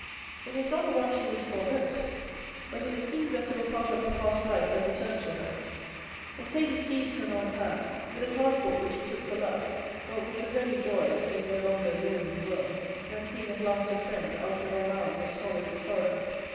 "It was not the one she wished for most, but it seemed as if a part of her past life had returned to her. "Mercédès seized Fernand's hands with a transport which he took for love, but which was only joy at being no longer alone in the world, and seeing at last a friend, after long hours of solitary sorrow.